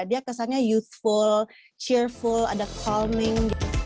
dia kesannya youthful cheerful ada falming